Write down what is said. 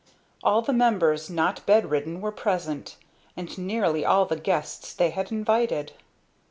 All the members not bedridden were present, and nearly all the guests they had invited.